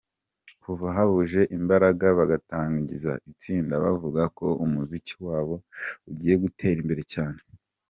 Kuva bahuje imbaraga bagatangiza itsinda bavuga ko umuziki wabo ugiye gutera imbere cyane.